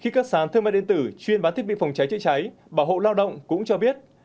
khi các sản thương mại điện tử chuyên bán thiết bị phòng cháy chữa cháy bảo hộ lao động cũng cho biết